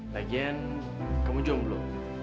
lagian kamu jomblo